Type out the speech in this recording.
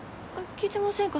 聞いてませんか？